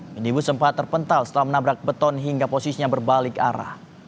minibus sempat terpental setelah menabrak beton hingga posisinya berbalik arah